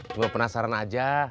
cuma penasaran aja